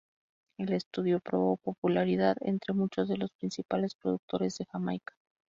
El estudio probó popularidad entre muchos de los principales productores de Jamaica.